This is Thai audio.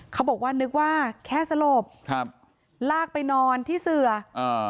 เขาบอกว่านึกว่าแค่สลบครับลากไปนอนที่เสืออ่า